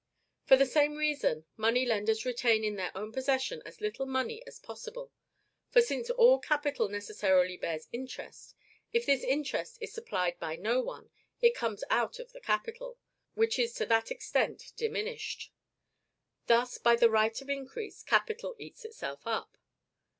For the same reason, money lenders retain in their own possession as little money as possible; for, since all capital necessarily bears interest, if this interest is supplied by no one, it comes out of the capital, which is to that extent diminished. Thus, by the right of increase, capital eats itself up.